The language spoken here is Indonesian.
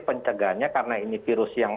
pencegahannya karena ini virus yang